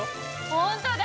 ホントだ！